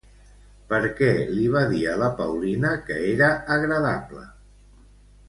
Per què li va dir a la Paulina que era agradable?